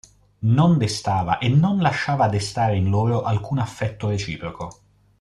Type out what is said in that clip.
Non destava e non lasciava destare in loro alcun affetto reciproco.